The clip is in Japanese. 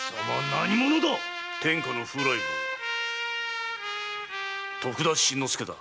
何者だ⁉天下の風来坊徳田新之助だ。